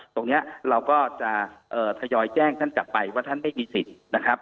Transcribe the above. ตรงนี้เราก็จะทยอยแจ้งท่านกลับไปว่าท่านไม่มีสิทธิ์นะครับ